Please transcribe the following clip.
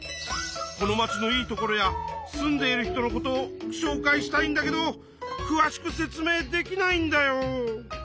このまちのいいところや住んでいる人のことをしょうかいしたいんだけどくわしく説明できないんだよ。